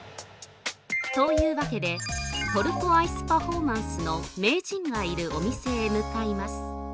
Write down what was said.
◆というわけで、トルコアイスパフォーマンスの名人がいるお店へ向かいます。